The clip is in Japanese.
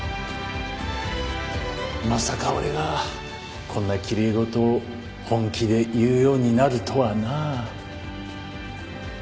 まさか俺がこんなきれい事を本気で言うようになるとはな。